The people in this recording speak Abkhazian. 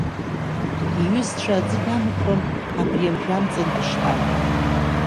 Иҩызцәа аӡы дамырхын, абри амжәа амҵан дышьҭан…